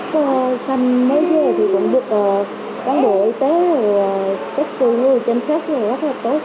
con sinh mới về thì cũng được cán bộ y tế các cô ngồi chăm sóc rất là tốt